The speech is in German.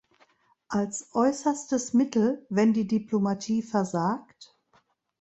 Als äußerstes Mittel, wenn die Diplomatie versagt?